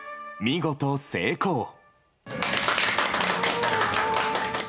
見事成功。